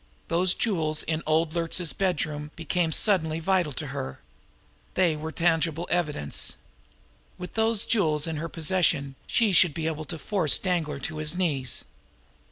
Those jewels in old Luertz's bedroom became suddenly vital to her. They were tangible evidence. With those jewels in her possession she should be able to force Danglar to his knees.